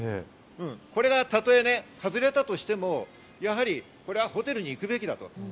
これがたとえ外れたとしても、やはりホテルに行くべきだと。